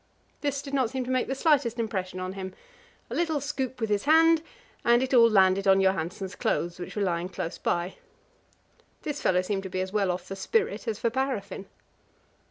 This did not seem to make the slightest impression on him; a little scoop with his hand, and it all landed on Johansen's clothes, which were lying close by. This fellow seemed to be as well off for spirit as for paraffin.